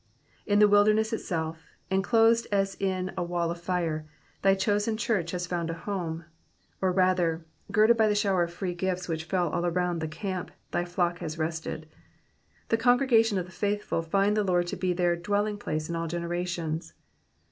'''' In the wilderness itself, enclosed as in a wall of tire, thy chosen church has found a home ; or, rather, girdled by the shower of free grace which fell all around the camp, thy flock has rested. The congregation of the faithful find the Lord to be their dwelling place in all generations.''